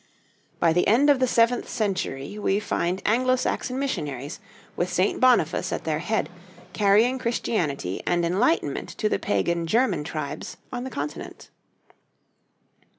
By the end of the seventh century we find Anglo Saxon missionaries, with St. Boniface at their head, carrying Christianity and enlightenment to the pagan German tribes on the Continent.